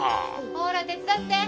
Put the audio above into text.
ほら手伝って